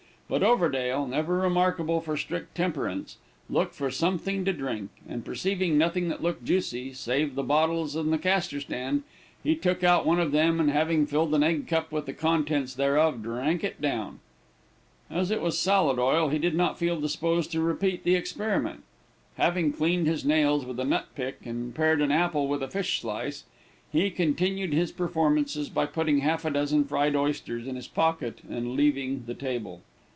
But Overdale, never remarkable for strict temperance, looked for something to drink, and perceiving nothing that looked juicy, save the bottles in the castor stand, he took out one of them, and having filled an egg cup with the contents thereof, drank it down. As it was salad oil, he did not feel disposed to repeat the experiment. Having cleaned his nails with a nut pick, and pared an apple with a fish slice, he concluded his performances by putting half a dozen fried oysters in his pocket and leaving the table.